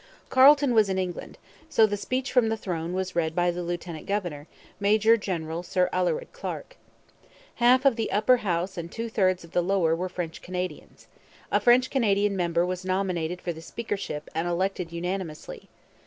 Carleton was in England, so the Speech from the Throne was read by the lieutenant governor, Major General Sir Alured Clarke. Half of the Upper House and two thirds of the Lower were French Canadians. A French Canadian member was nominated for the speakership and elected unanimously.